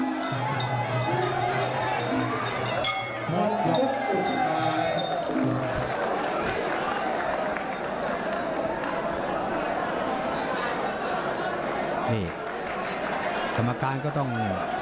นี่กรรมการก็ต้อง